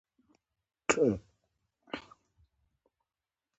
بلې ورځې ته یې په ټولګي کې واورئ.